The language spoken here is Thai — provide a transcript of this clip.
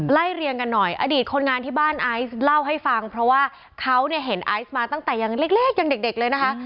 เรียงกันหน่อยอดีตคนงานที่บ้านไอซ์เล่าให้ฟังเพราะว่าเขาเนี่ยเห็นไอซ์มาตั้งแต่ยังเล็กยังเด็กเลยนะคะ